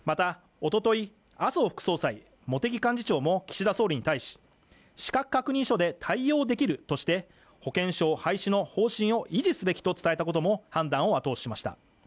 おととい麻生副総裁茂木幹事長も岸田総理に対し資格確認書で対応できるとして保険証廃止の方針を維持すべきと伝えたことも判断を後押ししました